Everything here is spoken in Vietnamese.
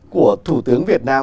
của thủ tướng việt nam